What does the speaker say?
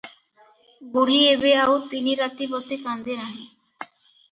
ବୁଢ଼ୀ ଏବେ ଆଉ ଦିନ ରାତି ବସି କାନ୍ଦେ ନାହିଁ ।